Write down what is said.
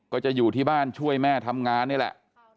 ก็จะอยู่ที่บ้านช่วยแม่ทำงานนี่แหละ